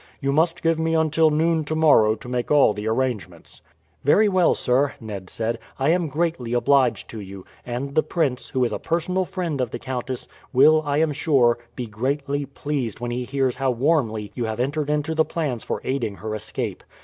You must give me until noon tomorrow to make all the arrangements." "Very well, sir," Ned said. "I am greatly obliged to you, and the prince, who is a personal friend of the countess, will, I am sure, be greatly pleased when he hears how warmly you have entered into the plans for aiding her escape.